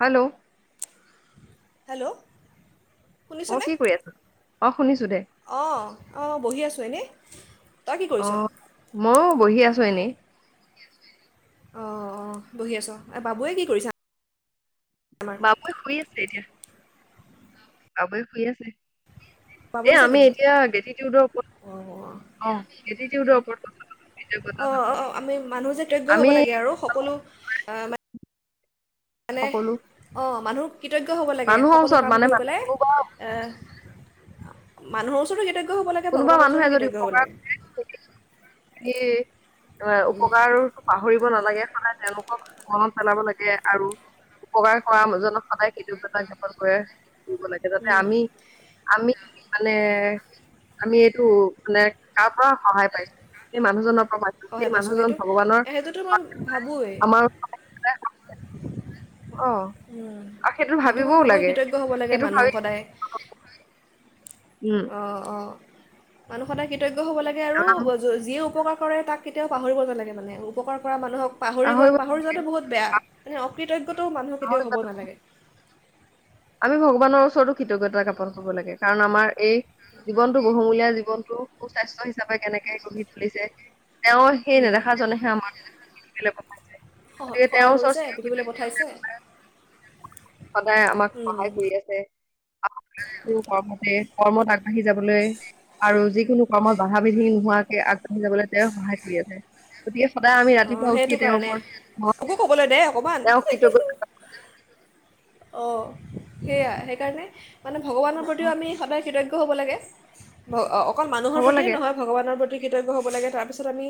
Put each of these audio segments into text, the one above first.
Hello hello অ কি কৰি আছ? অ অ বহি আছোঁ এনে অ ম। বহি আছো এনে অঁ অঁ বহি আছ এই বাবুৱে কি কৰিছা? বাবু শুই আছে এতিয়া। আৱৈ শুই আছে। বাবু এ গৈছে আমি নেকি এতিয়াৰ ওপৰত অঁ অঁ অ গৰ ওপৰত অঁ অঁ কথা অঁ, আমি মানুহ যে কৃতজ্ঞ হ'ব আমি লাগে আৰু সকলো আহ, মানে, সকলো অ' মানুহ কৃতজ্ঞ হ'ব লাগে, মানুহৰ সকলো ওচৰত কাম মানে কৰি মানুহ পেলাই কোনোবা মানুহৰ ওচৰতো তেতিয়া কোনোবা মানুহে যদি উপকাৰ ক'ৰে অ' উপকাৰতো পাহৰিব নালাগে, সদায় তেওঁলোকক মনত পেলাব লাগে, আৰু উপকাৰ কৰা জনক সদায় কৃতজ্ঞতা জ্ঞাপন কৰে। লাগ, জাতে উম, আমি, আমি মানে আমি এইটো মানে কাপ অ সহায় পাইছোঁ সেই মানুহজনৰ পৰা, মা, সহায় সেই পাইছোঁ সেইটো মানুহজন ভগৱানৰ সেইটোতো মই ভাবোঁৱেই আমাৰ অ আৰু সেইটো মই ভাবিবও ভাবোঁ, লাগে কৃতজ্ঞ হ'ব লাগে সেইটো মানুহ ভাবি সদায়। উম অ'! অ'! মানুহ সদাই কৃতজ্ঞ। হ'ব লাগে, আৰু আমি যিয়ে উপকাৰ কৰে তাক কেতিয়াও পাহৰিব নালাগে মানে, উপকাৰ কৰা মানুহক পাহৰি পাহৰিব গ'ল, পাহৰি নালাগে যোৱাটো বহুত বেয়া। মানে অকৃতজ্ঞতও মানুহ পাহৰি কেতিয়াও হ'ব যোৱাটো- নালাগে। আমি ভগৱানৰ ওচৰতো কৃতজ্ঞতা জ্ঞাপন কৰিব লাগে, কাৰণ আমাৰ এই জীৱনটো, বহুমূলীয়া জীৱনটো সু-স্বাস্থ্য হিচাপে কেনেকে গঢ়ি তুলিছে। তেওঁ সেই নেদেখাজনেহে আমাক পৃথিৱীলৈ পঠাইছে, সহ গতিকে সহায় তেওঁৰ কৰিছে ওচৰত পৃথিৱীলৈ চিৰকৃতজ্ঞ পঠাইছে সদায় আমাক সহায় কৰি আছে, আৰু যিটো কৰ্মতে, কৰ্মত আগবাঢ়ি যাবলৈ আৰু যি কোনো কৰ্মত বাধা বিঘিনি নোহোৱাকৈ আগবাঢ়ি যাবলৈ তেওঁ সহায় কৰি আছে, গতিকে সদায় আমি অঁ ৰাতিপুৱা সেইটো উঠিয় তেওঁৰ কাৰণে মোকো ক'বলৈ ওপৰত, দে অকণমান তেওঁ কৃতজ্ঞতা অ' সেইয়া, সেইকাৰণে মানে ভগৱানৰ প্ৰতিও আমি সদায় কৃতজ্ঞ হ'ব লাগে। অকল মানুহৰ হ'ব প্ৰতিয়ে লাগে নহয় ভগৱাৰ প্ৰতি প্ৰতি কৃতজ্ঞ হ'ব লাগে, তাৰপিছত আমি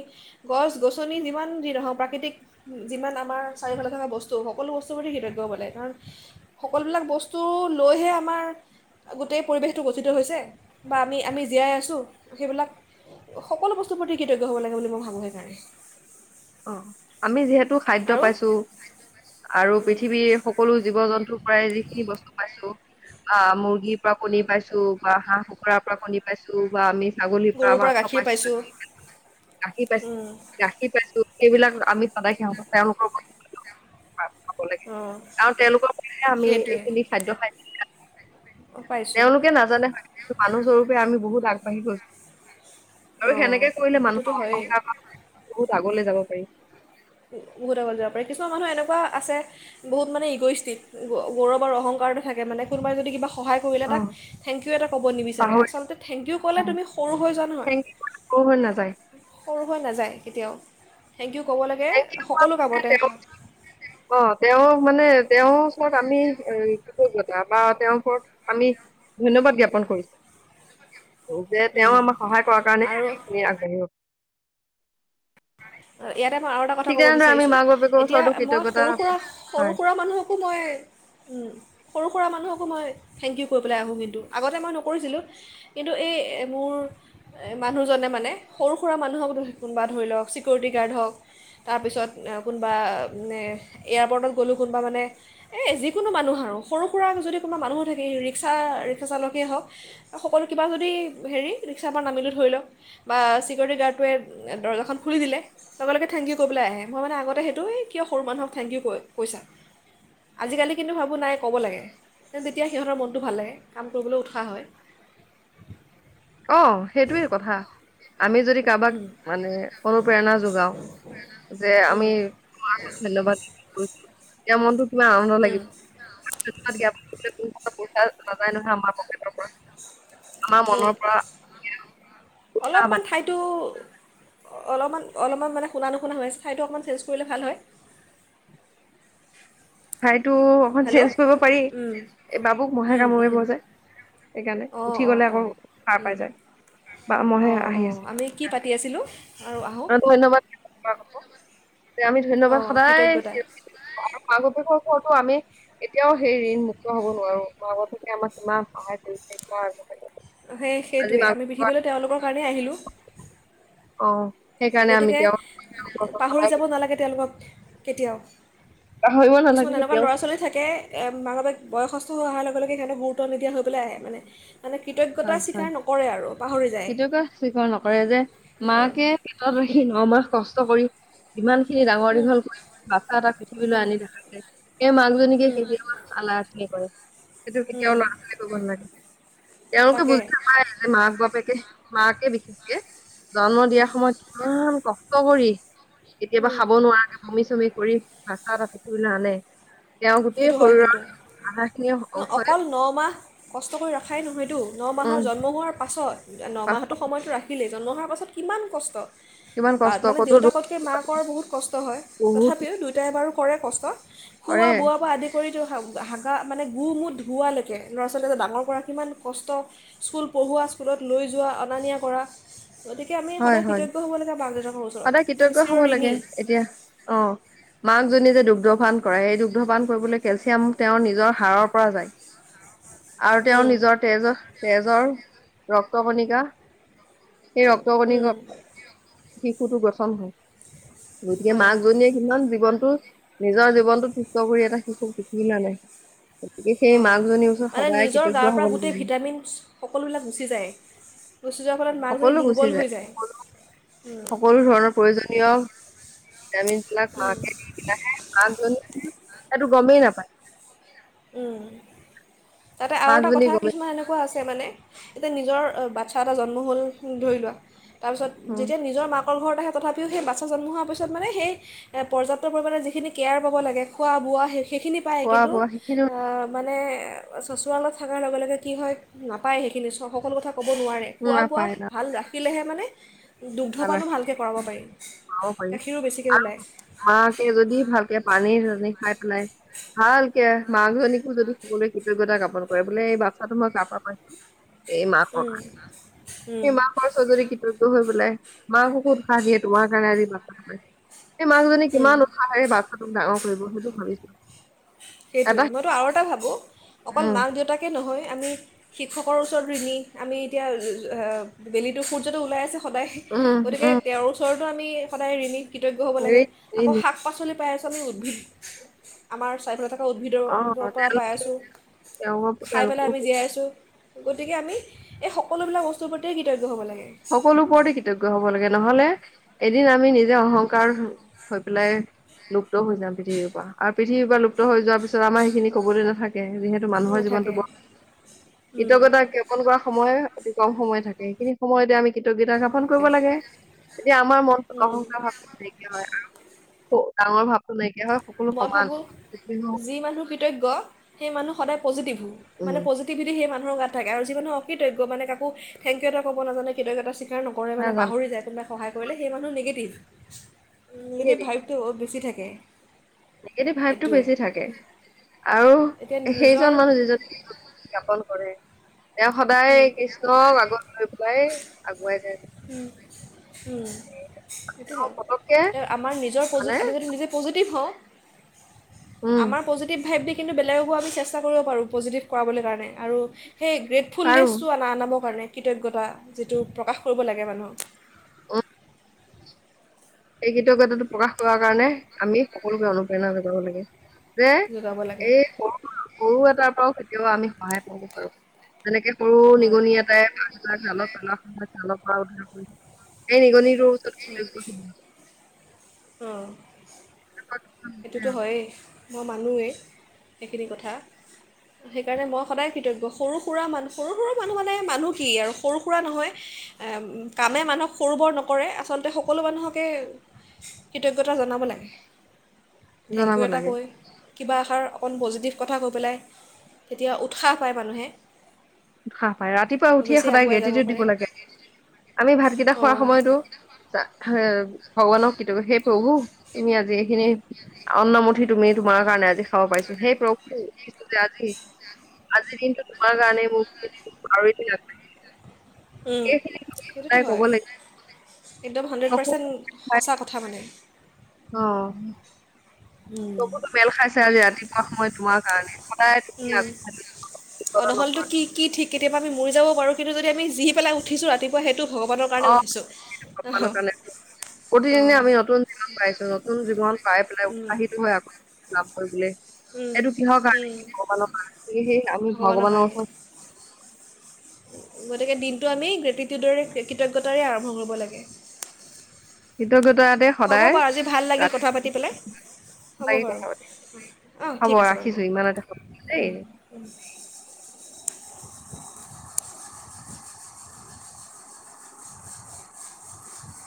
গছ গছনি যিমান যি নহওঁক প্ৰাকৃতিক যিমান আমাৰ চাৰিওফালে থকা বস্তু সকলো বস্তুৰ প্ৰতি কৃতজ্ঞ হ'ব লাগে। কাৰণ সকলোবিলাক বস্তু লৈহে আমাৰ গোটেই পৰিৱেশটো গঠিত হৈছে বা আমি আমি জীয়াই আছোঁ। সেইবিলাক সকলো বস্তুৰ প্ৰতি কৃতজ্ঞ হ'ব লাগে বুলি মই ভাবোঁ সেইকাৰণে। অ' আমি যিহেতু খাদ্য আৰু পাইছোঁ, আৰু উম, পৃথিৱীৰ সকলো জীৱ জন্তুৰ পৰাই যিখিনি বস্তু পাইছোঁ। অ' মুৰ্গীৰ পৰা কণী পাইছোঁ, বা হাঁহ কুকুৰাৰ পৰা কণী পাইছোঁ বা আমি ছাগলীৰ পৰা মাংস পাইছোঁ বা গাখীৰ পাইছোঁ, উম, গাখীৰ পাইছোঁ। এইবিলাক আমি সদায় খিয়াব লাগে তেওঁলোকৰ কথা। অঁ কাৰণ তেওঁলোকৰ বাবে আমি সেইটোৱে এইখিনি খাদ্য খাই। অঁ পাইছোঁ তেওঁলোকে নাজানে স মানুহস্বৰূপে আমি বহুত আগ। বাহি ভোজ। অঁ সেনেকে কৰিলে সেইটোতো মানুহৰ হয়েই অহংকাৰ বহুত। আগলৈ যাব [unintelligible] বহুতগ যাব পাৰি। কিছুমান মানুহ এনেকুৱা আছে বহুত মানে ইগষ্টিত গৌৰৱ আৰু অহংকাৰতে থাকে মানে কোনোবাই যদি কিবা সহায় কৰিলে অ তাক থেংকইউ এটা ক'ব নিবিচাৰে পাহৰিছো আচলতে থেংকইউ ক'লে অ তুমি সৰু হৈ যোৱা নহয়। থেংক ইউ একো হৈ নাযায় সৰু হৈ নাযায় কেতিয়াও, থেংক ইউ ক'ব লাগে সকলো কামতে অ তেওঁ মানে তেওঁৰ ওচৰত আমি এ কি কৈ এা বা তেওঁৰ ওচৰত আমি ধন্যবাদ জ্ঞাপন কৰিছো। যে তেওঁ উম, আমাৰ সহায় কৰাৰ কাৰণেহে আম আৰু সেইখিনি আগবাঢ়ি। ইয়াতে মই আৰু এটা কথা ঠিক ক'ব তেনেদৰে আমি বিচাৰিছোঁ মাক বাপেকৰ এতিয়া ওচৰতো মই কৃতজ্ঞতা সৰু সুৰা-সৰু হয় সুৰা মানুহকো মই উম। সৰু সুৰা মানুহকো মই থেংক ইউ কৰি পেলাই আহোঁ কিন্তু, আগতে মই নকৰিছিলোঁ। কিন্তু এই মোৰ মানুহজনে মানে সৰু সুৰা মানুহক কোনোবা ধৰি লওক চিকিউৰিটি গাৰ্ড হওক তাৰপিছত কোনোবাে এয়াৰপৰ্টত গ'লোঁ কোনোবা মানে এই যিকোনো মানুহ আৰু সৰু সুৰা যদি কোনোবা মানুহো থাকে ৰিক্সা-ৰিক্সা চালকেই হওক সকলো কিবা যদি হেৰি ৰিক্সাৰ পৰা নামিলোঁ ধৰি লওক বা চিকিউৰিটি গাৰ্ডটোৱে দৰজাখন খুলি দিলে লগে-লগে থেংক ইউ ক পেলাই আহে। মই মানে আগতে সেইটোৱে কিয় সৰু মানুহক থঠেংক ইউ কৈছা, আজিকালি কিন্তু ভাবোঁ নাই ক'ব লাগে তেতিয়া সিহঁতৰ মনটো ভাল লাগে কাম কৰিবলৈ উৎসাহ হয়। অ, সেইটোয়ে কথা। আমি যদি কাৰোবাক মানে অনুপ্ৰেৰণা যোগাও যে আমি তোমাৰ ওচৰত ধন্যবাদ কৰিছো এতিয়া মনটোো তোমাৰ আনন্দ লাগি। নাযায় নহয় আমাৰ পকেটৰ পৰা। হয় মনৰ পৰা উঠা অলপমান বাণী। ঠাইতো অলপমান-অলপমান মানে শুনা নুশুনা হয় হয় আছে, ঠাইটো অকণমান চেঞ্জ কৰিলে ভাল হয়। হয় টো অকণ হেল্ল' চেঞ্জ কৰিব পাৰি এই বাবুক মহে কামুৰিব যায় সেইকাৰণে অঁ উঠি অঁ গলে অঁ আকৌ সাৰ পাই যায় বা মহে অঁ আহি অঁ আমি কি আছে। পাতি আছিলোঁ আৰু আহোঁ [inaudible] আমি ধন্যবাদ অঁ সদায়। কৃতজ্ঞতা কৰ কৰ আমি এতিয়াও সেই ঋণ মুক্ত হব নোৱাৰো, আগতকে আমাৰ কিমান সহায় কৰিছে কিমান আগবঢ়িব সেই সেইটোৱে আমি পৃথিৱলৈ তেওঁলোকৰ কাৰণেই আহিলোঁ। অ সেইকাৰণে আমি গতিকে তেওঁ পাহৰি সদায় যাব নালাগে তেওঁলোকক। কেতিয়াও। পাহৰিব কিছুমান নালাগে এনেকুৱা কেতিয়াও। ল'ৰা ছোৱালী থাকে, মাক বাপে বয়সস্থ স অহাৰ লগে-লগে সিহঁতে গুৰুত্ব নিদিয়া আহি পেলাই মানে মানে কৃতজ্ঞতা হয় হয় স্বীকাৰ নকৰে আৰু পাহৰি যায় সেইটো কে স্বীকাৰ নকৰে যে মাকে নকৰে পেটতত ৰাখি নমাহ কষ্ট কৰি যিমান খিনি ডাঙৰ দীঘল কৰি বাচ্ছা এটা পৃথিৱীলৈ উম, আনি দেখাইছে সেই মাকজনীকে উম, কেতিয়াওা আলাহখিনি কৰে সেইটো কেতিয়াও উম, লৰা ছোৱালীয়ে কৰিব নালাগে তেওঁলোকে তাকে। বুজি নাপায় যে মায়ে মাক বাপেকে মাকে বিশেষকে জন্ম উম, দিয়াৰ সময়ত কিমান কষ্ট ক [unintelligible] কেতিয়াবা উম, খাব নোৱাৰাকে বমি চমি কৰি বাচ্ছা এটা পৃথিৱীলৈ আনে তেওঁৰ গোটেই সেইটো হয় শৰীৰৰ কিন্তু আধা খিনি অংশই অকল নমাহ কষ্ট কৰি ৰখাই নহয়তো ন মাহৰ উম জন্ম হোৱাৰ পা পাছত পাছত নমাহটোৰ সময়তটো ৰাখিলেই জন্ম তাৰপাছত কিমান কষ্ট কিমান বা কষ্ট মানে ক'তো দুখ দেউতাকতকৈ মা কৰ বহুত কষ্ট হয় বহুত তথাপিও দুয়োটাই বাৰু কৰে কষ্ট কৰে খোৱা বোৱাৰ পৰা আদি কৰি হাগা মানে গো মুট ধোৱালৈকে ল'ৰা ছোৱালী এটা ডাঙৰ কৰা কিমান কষ্ট স্কুল পঢ়োৱা স্কুলত লৈ যোৱা অনা নিয়া কৰা গতিকে আমি হয় সদায় হয় কৃতজ্ঞ হ'ব লাগে মাক দেউতাকৰ ওচৰত সদায় আমি কৃতজ্ঞ হ'ব চিৰ ঋণী লাগে এতিয়া অ যে দুগ্ধপান কৰে সেই দুগ্ধপান কৰিবলৈ কেলছিয়াম তেওঁৰ নিজৰ হাৰৰ পৰা যায় আৰু তেওঁৰ উম, নিজৰ তেজত তেজৰ ৰক্ত কণিকা সেই ৰ ক উম, [unintelligible] শিশুতো গঠন হয় গতিকে হয় মাক জনীয়ে কিমান জীৱনটো নিজৰ জীৱনটো কালি এটা শিশুক [unintelligible] পিখিনাা নাই [unintelligible] অঁ মানে নিজৰ গাঁৰ হ'ব পৰা লাগে গোটেই ভিটামিনছ সকলোবিলাক গুচি যায়। যোৱাৰ ফলত মাকজনী সকলো গুচি দুৰ্বল যায় হৈ উম, সকলো ধৰণৰ প্ৰয়োজনীয় ভটামিন্ ল উম, খাকে দি আ তাতো গমেই নাপায় উম তাতে আৰু এটা মাকজনী কথা গমেই কিছুমান এনেকুৱা আছে। মানে এতিয়া নিজৰ বাচ্ছা এটা জন্ম হ'ল ধৰি লোৱা। তাৰপিছত উম যেতিয়া নিজৰ মাকৰ ঘৰৰত আহে। তথাপিও সেই বাচ্ছা জন্ম হোৱাৰ পিছত মানে সেই পৰ্যাপ্ত পৰিমাণে যিখিনি কেয়াৰ পাব লাগে খোৱা বোৱা সেইখিন। সেইখিনি পায়ে খোৱা কিন্তু। বোৱা সেইখিনি মানে চচৰালত থাককাৰ লগে লগে কি হয় নাপায় সেইখিনি সকলো কথা। ক'ব নোৱাৰে খোৱা বোৱা ভাল ৰাখিলেহে মানে। দুগ্ধপানো ভালকৈ কৰাব পাৰি আৰু গাখীৰো বেছিকৈ মাকে যদি ভালকে পানী জানী খাই। নাই ভালকে মাজনীকো যদি সকলোৱে কৃতজ্ঞতা জাপন কৰে বোলে এই বাচ্ছা মই কাহা পাইছো। এই মাকৰ ক ওলায় এই মাকৰ চজৰিকিতটো হৈ বোলোই। মাহতকো ভাত দিয়ে তো ম কাৰে দিব। [unintelligible] এই মাকজনী কিমান উৎসাহে এই বাচ্ছাটোক ডাঙৰ। কৰিব সেইটো ভাবিছো। এটা সেইটোৱে মইতো আৰু এটা ভাবোঁ। অকল উম মাক দেউতাকে। নহয় আমি হিখকৰ উচৰট লিলি আমি তেতিয়া ল'ব বেলিটো হুজটো উলাই আছে। সদায় উম গতিকে উম তেওঁৰ ওচৰত। আমি সদায় ৰিণিত। কৃতজ্ঞ হ'ব হেৰি লাগে হেৰি আকৌ নি- পাচলি। উদ্ভিদ আমাৰ স্বত। থকা উদ্ভিদৰ অ পৰা পাই তেওঁলোকে আছোঁ তেওঁলোকৰ খাই পেলাই তেওঁলোককো আমি জীয়াই আছোঁ। গতিকে আমি এই সকলোবিলাক বস্তুৰ প্ৰতি কৃতজ্ঞ হ'ব লাগে। সকলো ওপৰতে কৃতজ্ঞ হব লাগে নহলে। এদিন আমি নিজে অহংকাৰ হৈ পেলাই লুপ্ত হৈ যাম পৃথিৱীৰ পৰা আৰু পৃথিৱীৰ পৰা লুপ্ত হৈ যোৱাৰ পিছত আমাৰ সেইখিনি কবলৈ নাথাকে। তাকে যিহেতু মানুহৰ জীৱনটো নাথাকে বৰ। কৃতজ্ঞতা জ্ঞাপন কৰা সময় অতি। কম সময় থাকে সেইখিনি সময়তে আমি। কৃতজ্তা গাপন কৰিব লাগে তেতিয়া আমাৰ মনটোক আশংকা ভাৱ নাইকা হয় আৰু। ত মই ভাব মই ভাবোঁ যি মানুহ কৃতজ্ঞ, সেই মানুহ সদায় পজিটিভ। মানে উম পজিটিভিটি সেই মানহ গাত থাকে আৰু যিকোনো অকৃতজ্ঞ মানে কাকো থেংকউ এটা ক'ব নাজানে, কৃতজ্ঞতা কেয়াৰ নকৰে মানে নাজানো পাহৰি যায় কোনোবাই সহায়, কৰিলে সেই মানুহ নিগেটিভ। নিগেটিভ ভাইভটো বহুত বেছি থাকে। তে নিগেটিভ ভাইভটো বেছি থাকে। আৰু এতিয়া নিজৰ সেইজন মানুহ যিজনে জ্ঞাপন কৰে তেওঁ সদায় কৃষ্ণক আগত লৈ পেলাই আগুৱাই যায়। উম, সেইটো তেওঁ পতককে হয়। আমাৰ নিজৰ পজি মানে আমি যদি নিজে পজিটিভ হওঁ উম আমাৰ পজিটিভ ভাইভ দে কিন্তু বেলেগকো আমি চেষ্টা কৰিব পাৰোঁ পজিটিভ কৰাবলৈ কাৰণে আৰু সেই পাৰো ফুলনেচ টো আনা-আনাবৰ কাৰণে। কৃতজ্ঞতা যিটো প্ৰকাশ কৰিব লাগে মানুহক। অহ। সেই কৃতজ্ঞতাটো প্ৰকাশ কৰাৰ কাৰণে আমি সকলোকে অনুপ্ৰেৰণা যোগাব লাগে। যে জগাব লাগে এই সৰু-সৰু এটা কেতিয়াও আমি সহায় পাব পাৰো। যেনেকে সৰু হয় নিগনি এটাই বাঘ এটা জালত জালৰ পৰা উদ্ধাৰ কৰি সেই নিগনি নিগনিটোৰ ওচৰত কৃতজ্ঞ। অহ। অহ, উম-উম। মই মানোৱেই, সেইখিনি কথা। সেইকাৰণে মই সদায় কৃতজ্ঞ, সৰু-সুৰা মানু সৰু-সুৰা মানুহ মানে মানুহ কি আৰু সৰু-সুৰা নহয় কামে মানুহক সৰু বৰ নকৰে আচলতে সকলো মানুহকে কৃতজ্ঞতা জনাব লাগে। থেংক জনাব ইউ এটা লাগে কৈ। কিবা এষাৰ অকণ পজিটিভ কথা কৈ পেলাই তেতিয়া উৎসাহ পায় মানুহে। উৎসাহ পায় ৰাতিপুৱা উঠিয়ে বেছি সদায় আগুৱাই যাব গেতেটো পাৰে দিব লাগে। আমি ভাতকেইটা অঁ খোৱাৰ সময়তো হে ভগৱানক কেতিয়াবা, সেই প্ৰভু, তুমি আজি এইখিনি অন্নমুঠি তুমি তোমাৰ কাৰণে আজি খাব পাৰিছো। সেই প্ৰভু, উথিছো যে আজি-আজিৰ দিনটো তোমাৰ কাৰণে মোকৰি [unintelligible] উম, সেইটোতো হয়। একদম হাণ্ড্ৰেড চকু পাৰ্চেণ্ট সঁচা কথা মানে। অহ। চকুটো মেল খাইছে আজি ৰাতিপুৱা সময় তোমাৰ কাৰণে! সদায় তুমি উম আগবঢ়াই অ বিপদত নহ'লেটো নপৰা, কি কি ঠিক কেতিয়াবা আমি মৰি যাব পাৰোঁ কিন্তু যদি আমি পেলাই জী পেলায় উঠিছো ৰাতিপুৱা সেই অৰ কাৰণে প্ৰতিদিনে অঁ আমি নতুন জীৱন পাইছো নতুন জীৱন পাই পেলাই উৎসাহিত হয় আকৌ লাভ বোলে ইেইটো কিহৰ কাৰণে ক সেই আমি ভগৱানৰ ওচৰত গতিকে দিনটো আমি গ্ৰেটিটিউডৰে কৃতজ্ঞতাৰে আৰম্ভ কৰিব লাগে। কৃতজ্ঞতাতে হ'ব সদায় বাৰু আজি ভাল লাগিল ৰাতিপুৱা কথা পাতি পেলাই, হ'ব লাগি বাৰু কথা পাতিম অঁ হ'ব ঠিক আছে বাৰু ৰাখিছো ইমানতে সামৰিছো অ, দেই [inaudible]